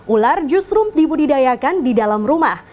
ular justru dibudidayakan di dalam rumah